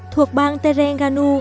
thuộc bang terengganu